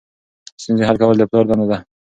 ستونزې حل کول د پلار دنده ده.